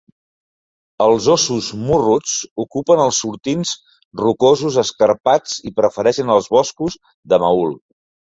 Els ossos morruts ocupen els sortints rocosos escarpats i prefereixen els boscos de mahul.